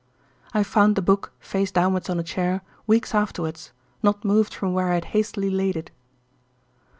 I found the book, face downwards on a chair, weeks afterwards, not moved from where I had hastily laid it.